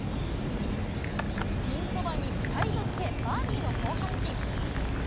ピンそばにぴたりとつけ、バーディーの好発進。